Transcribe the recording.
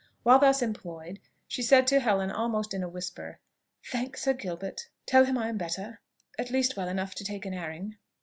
While thus employed, she said to Helen almost in a whisper, "Thank Sir Gilbert; tell him I am better, at least well enough to take an airing."